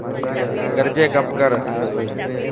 گڏجي ڪم ڪر.